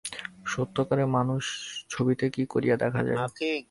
সত্যকারের মানুষ ছবিতে কি করিয়া দেখা যায়?